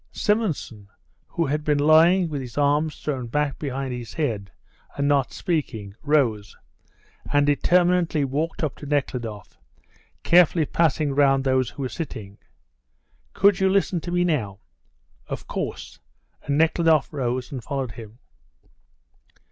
Simonson, who had been lying with his arms thrown back behind his head, and not speaking, rose, and determinately walked up to Nekhludoff, carefully passing round those who were sitting. "Could you listen to me now?" "Of course," and Nekhludoff rose and followed him.